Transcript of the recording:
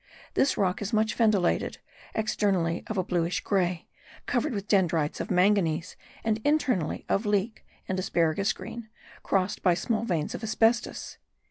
This rock is much fendillated, externally of a bluish grey, covered with dendrites of manganese, and internally of leek and asparagus green, crossed by small veins of asbestos.